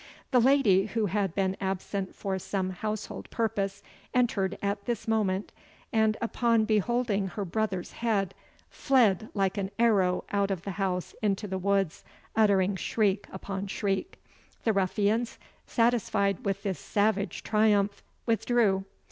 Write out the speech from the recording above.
The lady, who had been absent for some household purpose, entered at this moment, and, upon beholding her brother's head, fled like an arrow out of the house into the woods, uttering shriek upon shriek. The ruffians, satisfied with this savage triumph, withdrew.